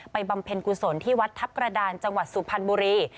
บำเพ็ญกุศลที่วัดทัพกระดานจังหวัดสุพรรณบุรี